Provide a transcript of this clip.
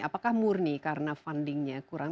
apakah murni karena fundingnya kurang